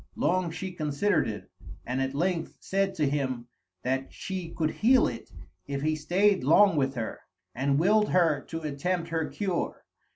Long she considered it, and at length said to him that she could heal it if he stayed long with her, and willed her to attempt her cure.